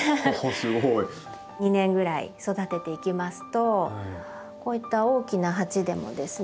すごい。２年ぐらい育てていきますとこういった大きな鉢でもですね